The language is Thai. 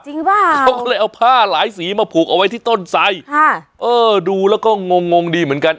ป่ะเขาก็เลยเอาผ้าหลายสีมาผูกเอาไว้ที่ต้นไสค่ะเออดูแล้วก็งงงงดีเหมือนกัน